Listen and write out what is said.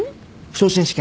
昇進試験。